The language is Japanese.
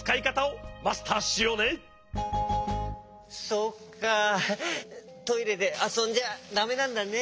そっかトイレであそんじゃだめなんだね。